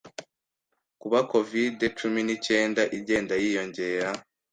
kuba Covid-cumi nicyenda igenda yiyongera